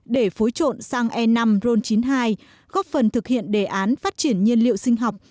để phối trộn sang e năm ron chín mươi hai góp phần thực hiện đề án phát triển nhiên liệu sinh học